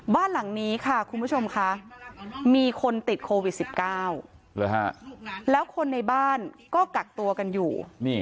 บ้านหลังนี้ค่ะคุณผู้ชมค่ะมีคนติดโควิด๑๙แล้วคนในบ้านก็กักตัวกันอยู่